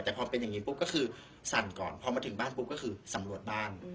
แต่พอเป็นอย่างนี้ปุ๊บก็คือสั่นก่อนพอมาถึงบ้านปุ๊บก็คือสำรวจบ้าน